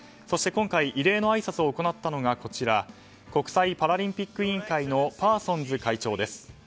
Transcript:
そして今回異例のあいさつを行ったのが国際パラリンピック委員会のパーソンズ会長です。